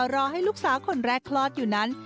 รอให้ลูกสาวคนแรกคลอดอยู่นั้น